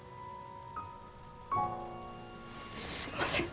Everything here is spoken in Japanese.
すいません。